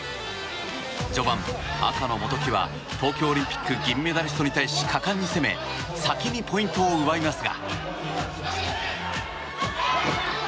序盤、赤の元木は東京オリンピック銀メダリストに対し果敢に攻め先にポイントを奪いますが。